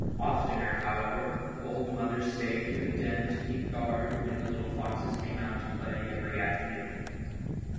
Oftener, however, the old mother stayed near the den to keep guard when the little foxes came out to play every afternoon.